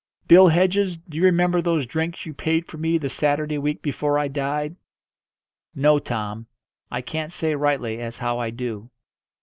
"Bill Hedges, do you remember those drinks you paid for me the Saturday week before I died?" "No, Tom; I can't say rightly as how I do."